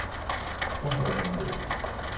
不可動搖